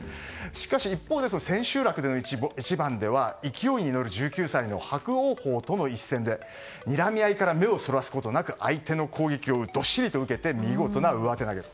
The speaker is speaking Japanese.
しかし一方、千秋楽の一番では勢いに乗る１９歳の伯桜鵬との一戦でにらみ合いから目をそらすことなく相手の攻撃をどっしりと受け手見事な上手投げ。